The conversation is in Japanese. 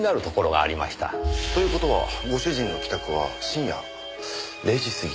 という事はご主人の帰宅は深夜０時過ぎ。